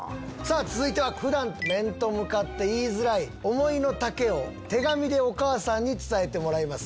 続いては普段面と向かって言いづらい思いの丈を手紙でお母さんに伝えてもらいます。